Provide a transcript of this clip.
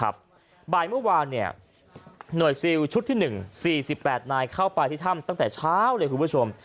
บ่ายเมื่อวานหน่วยซิลชุดที่๑๔๘นายเข้าไปที่ถ้ำตั้งแต่เช้าเลยคุณผู้ชม